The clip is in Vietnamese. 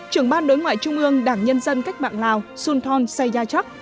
trưởng ban đối ngoại trung ương đảng nhân dân cách mạng lào sun thon sayyachak